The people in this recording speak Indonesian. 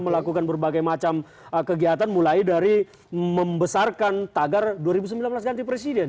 melakukan berbagai macam kegiatan mulai dari membesarkan tagar dua ribu sembilan belas ganti presiden